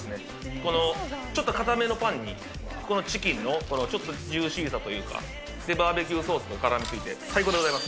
このちょっと硬めのパンに、このチキンのちょっとジューシーさというか、で、バーベキューソースも絡みついて、最高でございます。